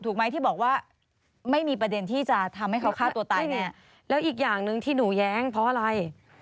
ไหมที่บอกว่าไม่มีประเด็นที่จะทำให้เขาฆ่าตัวตายแน่แล้วอีกอย่างหนึ่งที่หนูแย้งเพราะอะไร